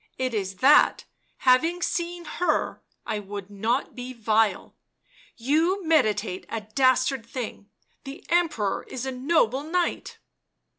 "It is that, having seen her, I would not be vile. You meditate a dastard thing — the Emperor is a noble knight."